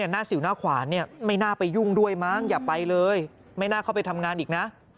สิวหน้าขวานไม่น่าไปยุ่งด้วยมั้งอย่าไปเลยไม่น่าเข้าไปทำงานอีกนะ